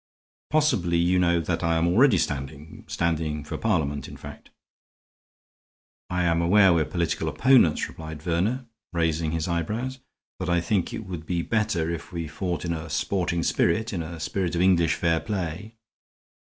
Possibly you know that I am already standing standing for Parliament, in fact " "I am aware we are political opponents," replied Verner, raising his eyebrows. "But I think it would be better if we fought in a sporting spirit; in a spirit of English fair play."